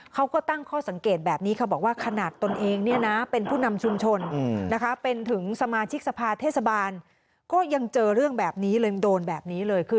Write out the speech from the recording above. เขาก็ตั้งข้อสังเกตแบบนี้ค่ะบอกว่าขนาดตนเองเนี่ยนะเป็นผู้นำชุมชนนะคะเป็นถึงสมาชิกสภาเทศบาลก็ยังเจอเรื่องแบบนี้เลยโดนแบบนี้เลยคือ